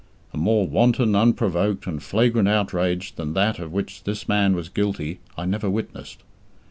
A more wanton, unprovoked, and flagrant outrage than that of which this man was guilty I never witnessed.